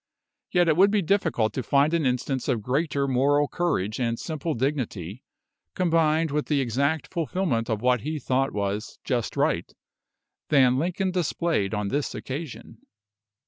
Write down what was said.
Yet it would be difficult to find an instance of greater moral courage and simple dignity, combined with the exact fulfilment of what he thought was "just right," than Lincoln displayed on this occasion.